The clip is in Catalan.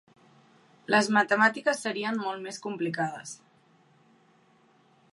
Les matemàtiques serien molt més complicades.